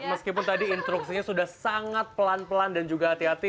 meskipun tadi instruksinya sudah sangat pelan pelan dan juga hati hati